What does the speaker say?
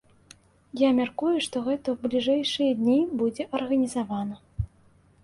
Я мяркую, што гэта ў бліжэйшыя дні будзе арганізавана.